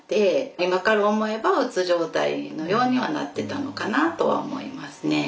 今から思えばうつ状態のようにはなってたのかなとは思いますね。